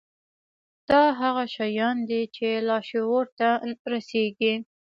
دا هغه شيان دي چې لاشعور ته رسېږي.